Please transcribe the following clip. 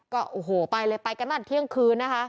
ก็โอ้โหไปเลยไปกันตั้งแต่เที่ยงคืนนะคะ